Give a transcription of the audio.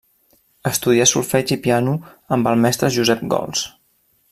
Estudià solfeig i piano amb el mestre Josep Gols.